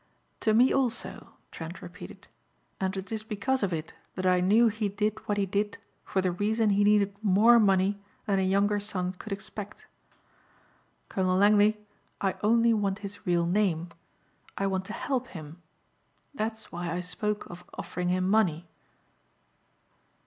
"To me also," Trent repeated, "and it is because of it that I knew he did what he did for the reason he needed more money than a younger son could expect. Colonel Langley, I only want his real name. I want to help him. That's why I spoke of offering him money."